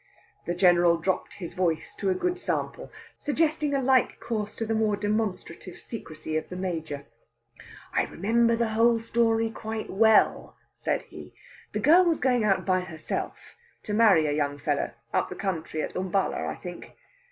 The General dropped his voice to a good sample, suggesting a like course to the more demonstrative secrecy of the Major. "I remember the whole story quite well," said he. "The girl was going out by herself to marry a young fellow up the country at Umballa, I think.